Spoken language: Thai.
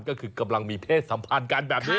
ก็คือกำลังมีเพศสัมพันธ์กันแบบนี้